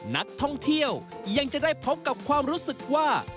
นักท่องเที่ยวยังจะได้พบกับความรู้สึกว่า